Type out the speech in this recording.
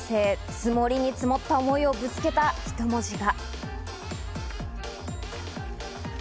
積もりに積もった思いをぶつけた一文字が。